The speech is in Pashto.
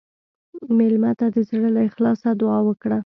مېلمه ته د زړه له اخلاصه دعا وکړه.